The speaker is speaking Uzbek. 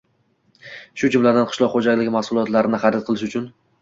shu jumladan qishloq xo‘jaligi mahsulotlarini xarid qilish uchun